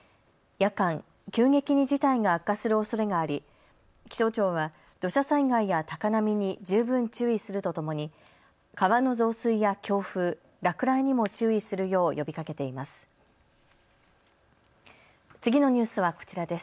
夜間、急激に事態が悪化するおそれがあり気象庁は土砂災害や高波に十分注意するとともに川の増水や強風、落雷にも注意するよう呼びかけています。